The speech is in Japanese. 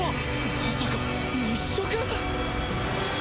まさか日食！？